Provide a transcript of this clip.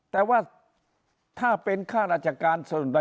แต่ว่าถ้าเป็นข้าราชการปรับเปลี่ยนอำนาจ